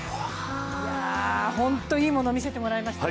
本当、いいものを見せてもらいました。